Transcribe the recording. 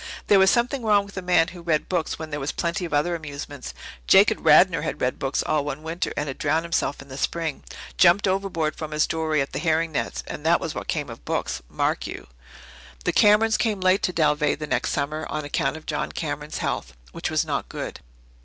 There was something wrong with a man who read books when there was a plenty of other amusements. Jacob Radnor had read books all one winter and had drowned himself in the spring jumped overboard from his dory at the herring nets. And that was what came of books, mark you. The Camerons came later to Dalveigh the next summer, on account of John Cameron's health, which was not good.